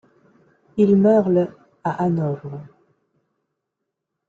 Il meurt le à Hanovre.